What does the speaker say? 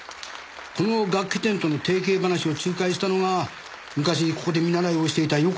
この楽器店との提携話を仲介したのが昔ここで見習いをしていた横手護だ。